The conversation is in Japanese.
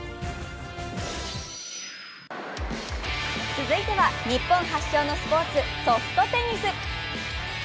続いては日本発祥のスポーツ、ソフトテニス。